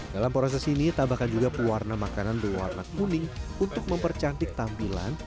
dalam proses ini tambahkan juga pewarna makanan berwarna kuning untuk mempercantik tampilan